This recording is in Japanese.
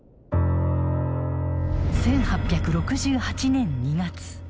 １８６８年２月。